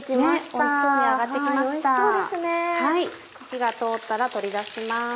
火が通ったら取り出します。